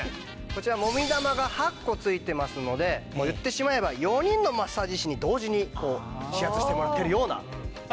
こちらモミ玉が８個付いてますので言ってしまえば４人のマッサージ師に同時に指圧してもらっているような。